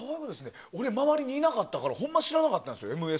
俺、周りにいなかったからほんま知らなかったです。